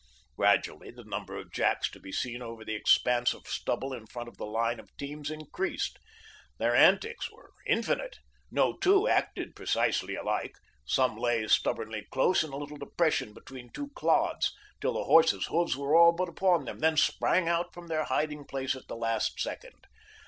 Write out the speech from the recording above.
Gradually, the number of jacks to be seen over the expanse of stubble in front of the line of teams increased. Their antics were infinite. No two acted precisely alike. Some lay stubbornly close in a little depression between two clods, till the horses' hoofs were all but upon them, then sprang out from their hiding place at the last second.